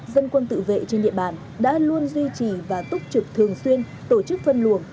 dân quân tự vệ trên địa bàn đã luôn duy trì và túc trực thường xuyên tổ chức phân luồng